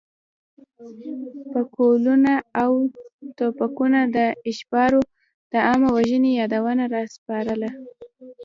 پکولونه او توپکونو د ابشارو د عامه وژنې یادونه راسپړله.